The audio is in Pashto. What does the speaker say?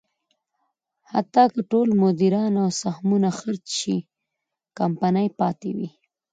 حتی که ټول مدیران او سهمونه خرڅ شي، کمپنۍ پاتې وي.